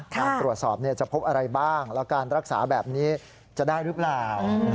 การตรวจสอบจะพบอะไรบ้างแล้วการรักษาแบบนี้จะได้หรือเปล่า